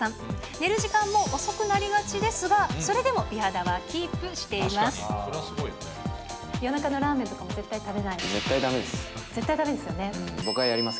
寝る時間も遅くなりがちですが、それでも美肌はキープしています。